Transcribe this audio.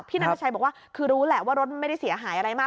นันทชัยบอกว่าคือรู้แหละว่ารถมันไม่ได้เสียหายอะไรมาก